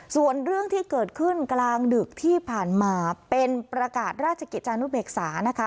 ส่วนเรื่องที่เกิดขึ้นกลางดึกที่ผ่านมาเป็นประกาศราชกิจจานุเบกษานะคะ